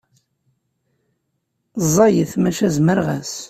Ẓẓayet maca zemreɣ-as.